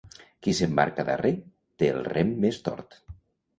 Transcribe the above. Qui s'embarca darrer, té el rem més tort.